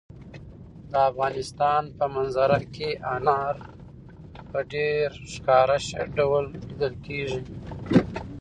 د افغانستان په منظره کې انار په ډېر ښکاره ډول لیدل کېږي.